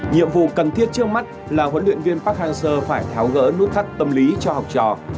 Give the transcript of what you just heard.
nhiệm vụ cần thiết trước mắt là huấn luyện viên park hang seo phải tháo gỡ nút thắt tâm lý cho học trò